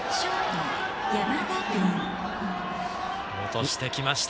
落としてきました。